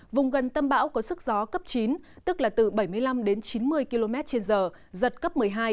vùng gần tâm bão có sức gió cấp chín tức là từ bảy mươi năm đến chín mươi km trên giờ giật cấp một mươi hai